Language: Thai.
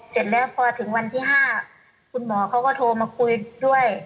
เสร็จแล้วพอถึงวันที่๕คุณหมอเขาก็โทรมาคุยด้วย